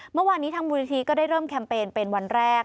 เมื่อวานนี้ทางมูลนิธิก็ได้เริ่มแคมเปญเป็นวันแรก